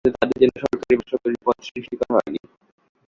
কিন্তু তাঁদের জন্য সরকারি বেসরকারি পদ সৃষ্টি করা হয়নি।